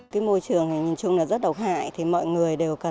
cái môi trường này nhìn chung là rất đậu hại